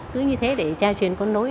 cứ như thế để tra truyền con nối